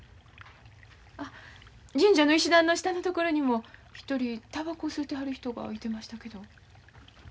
あ神社の石段の下の所にも１人たばこを吸うてはる人がいてましたけど。